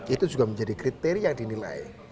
itu juga menjadi kriteria yang dinilai